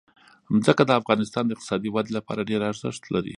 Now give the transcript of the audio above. ځمکه د افغانستان د اقتصادي ودې لپاره ډېر ارزښت لري.